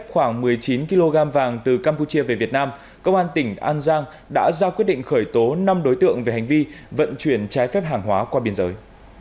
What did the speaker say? trước khi vận chuyển trái phép khoảng một mươi chín kg vàng từ campuchia về việt nam công an tỉnh an giang đã ra quyết định khởi tố năm đối tượng về hành vi vận chuyển trái phép hàng hóa qua biên giới